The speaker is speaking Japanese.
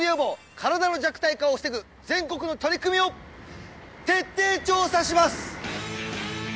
身体の弱体化を防ぐ全国の取り組みを徹底調査します！